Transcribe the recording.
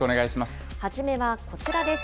初めはこちらです。